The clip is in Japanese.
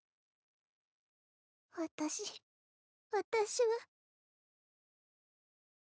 私私は。